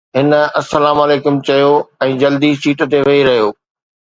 هن السلام عليڪم چيو ۽ جلدي سيٽ تي ويهي رهيو.